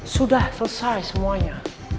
sudah selesai semuanya